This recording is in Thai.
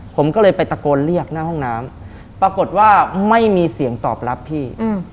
ผมก็เลยไปตะโกนเรียกหน้าห้องน้ำปรากฏว่าไม่มีเสียงตอบรับพี่